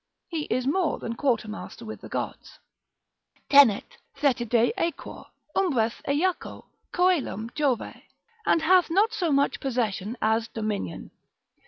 He is more than quarter master with the gods, ———Tenet Thetide aequor, umbras Aeaco, coelum Jove: and hath not so much possession as dominion.